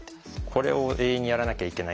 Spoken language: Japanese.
これを永遠にやらなきゃいけない。